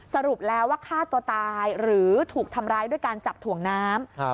สรุปแล้วว่าฆ่าตัวตายหรือถูกทำร้ายด้วยการจับถ่วงน้ำ